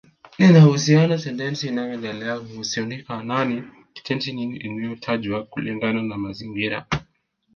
Linahusisha sentensi inayoelezea mhusika nani kitenzi nini eneo tajwa kulingana na mazingira